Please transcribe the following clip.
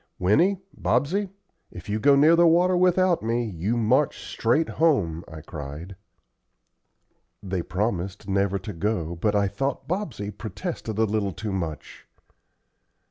"Winnie, Bobsey, if you go near the water without me you march straight home," I cried. They promised never to go, but I thought Bobsey protested a little too much.